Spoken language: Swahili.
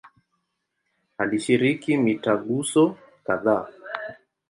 Alishiriki mitaguso kadhaa.